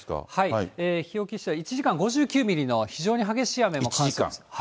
日置市は１時間５９ミリの非常に激しい雨も観測。